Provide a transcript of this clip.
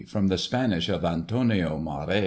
From the Spanish of ANTONIO MARÉ.